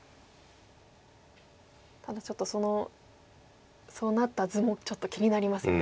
ただちょっとそうなった図もちょっと気になりますよね。